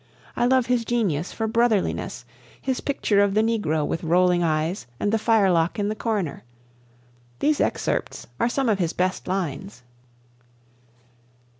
I love his genius for brotherliness, his picture of the Negro with rolling eyes and the firelock in the corner. These excerpts are some of his best lines.